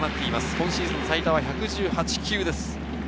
今シーズン最多は１１８球です。